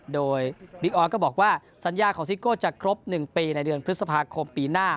โดยบิ๊กออสก็บอกว่าสัญญาของซิโก้จะครบ๑ปีในเดือนพฤษภาคมปีหน้า